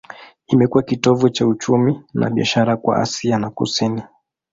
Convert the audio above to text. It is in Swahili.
Imekuwa kitovu cha uchumi na biashara kwa Asia ya Kusini.